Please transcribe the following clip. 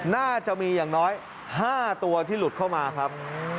น่าจะมีอย่างน้อย๕ตัวที่หลุดเข้ามาครับ